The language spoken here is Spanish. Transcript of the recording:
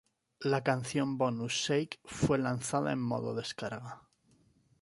La canción bonus "Shake" fue lanzada en modo descarga.